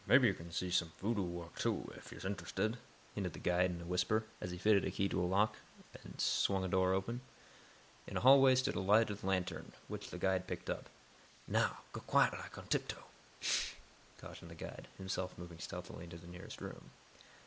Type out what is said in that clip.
"Mebbe yo' kin see some voodoo wo'k, too, ef yo's int'rested," hinted the guide, in a whisper, as he fitted a key to a lock, and swung a door open. In a hallway stood a lighted lantern, which the guide picked up. "Now, go quiet lak, on tip toe. Sh!" cautioned the guide, himself moving stealthily into the nearest room.